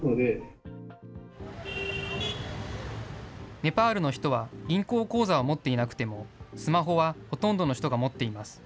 ネパールの人は銀行口座を持っていなくても、スマホはほとんどの人が持っています。